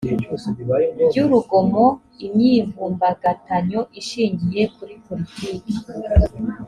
by urugomo imyivumbagatanyo ishingiye kuri politiki